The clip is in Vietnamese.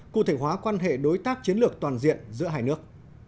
cụ thể hóa quan hệ đối tác chiến lược toàn diện giữa hai nước